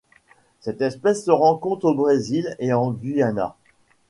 Cette espèce se rencontre au Brésil et en Guyana.